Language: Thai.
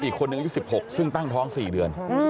กลับไปลองกลับ